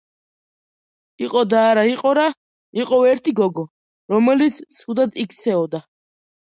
იყო და არა იყო რა იყო ერთ გოგო რომელიც ცუდად იქცეოდა